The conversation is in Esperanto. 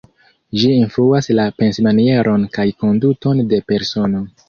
Ĝi influas la pensmanieron kaj konduton de persono.